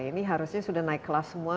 ini harusnya sudah naik kelas semua